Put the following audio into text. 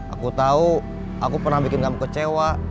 aku tahu aku pernah bikin kamu kecewa